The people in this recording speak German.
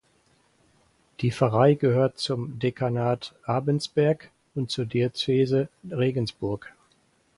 Die Pfarrei gehört zum Dekanat Abensberg und zur Diözese Regensburg.